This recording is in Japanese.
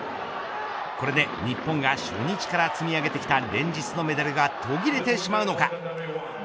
これで、日本が初日から積み上げてきた連日のメダルが途切れてしまうのか。